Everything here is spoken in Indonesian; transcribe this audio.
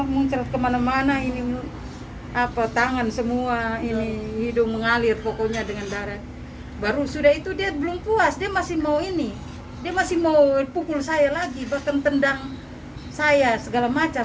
mereka akan menjadikan ilmuwan seperti mereka punya kemenangan